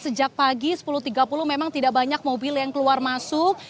sejak pagi sepuluh tiga puluh memang tidak banyak mobil yang keluar masuk